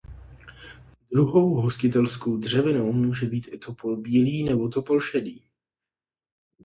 Druhou hostitelskou dřevinou může být i topol bílý nebo topol šedý.